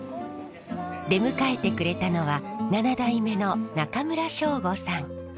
出迎えてくれたのは七代目の中村省悟さん。